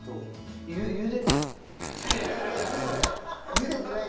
茹でてない！